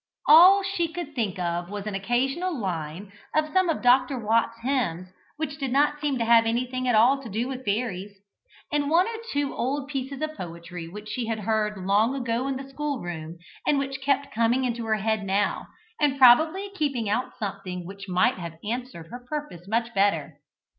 All she could think of was an occasional line of some of Dr. Watts's hymns, which did not seem to have anything at all to do with fairies, and one or two old pieces of poetry which she had heard long ago in the school room and which kept coming into her head now, and probably keeping out something which might have answered her purpose much better.